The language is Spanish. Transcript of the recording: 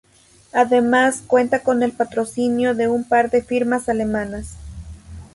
Además cuenta con el patrocinio de un par de firmas alemanas.